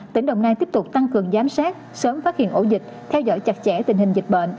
tỉnh đồng nai tiếp tục tăng cường giám sát sớm phát hiện ổ dịch theo dõi chặt chẽ tình hình dịch bệnh